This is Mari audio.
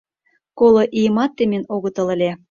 Коло ийымат темен огытыл ыле.